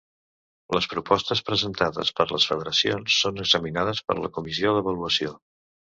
Les propostes presentades per les federacions són examinades per la Comissió d'Avaluació.